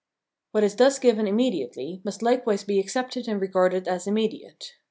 What is thus given immediately must likewise be accepted and regarded as immediate.